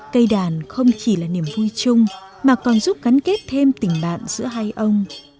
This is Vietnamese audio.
cây đàn không chỉ là niềm vui chung mà còn giúp gắn kết thêm tình bạn giữa hai ông